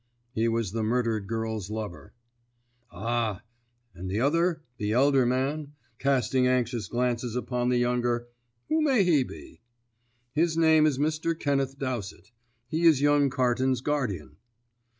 "He was the murdered girl's lover." "Ah! And the other, the elder man, casting anxious glances upon the younger who may he be?" "His name is Mr. Kenneth Dowsett. He is young Carton's guardian."